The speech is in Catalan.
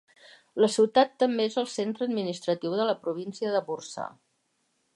La ciutat també és el centre administratiu de la província de Bursa.